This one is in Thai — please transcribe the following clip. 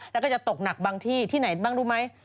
แล้วก็จะตกหนักบางที่ที่ไหนบ้างรู้ไหม